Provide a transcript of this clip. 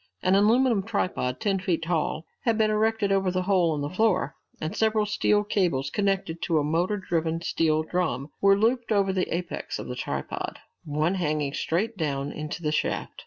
An aluminum tripod, ten feet tall, had been erected over the hole in the floor, and several steel cables, connected to a motor driven steel drum, were looped over the apex of the tripod, one hanging straight down into the shaft.